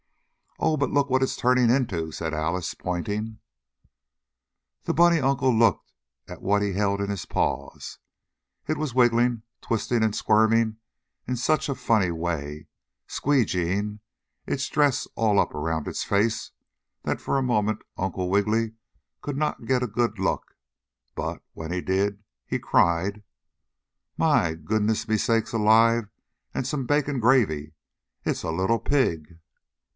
"Oh! But look what it's turning into!" said Alice, pointing. The bunny uncle looked at what he held in his paws. It was wiggling, twisting and squirming in such a funny way, squee geeing its dress all up around its face that for a moment Uncle Wiggily could not get a good look, but, when he did, he cried: "My goodness me sakes alive and some bacon gravy! It's a little pig!"